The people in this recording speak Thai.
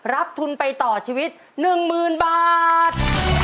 รับทุนไปต่อชีวิต๑๐๐๐บาท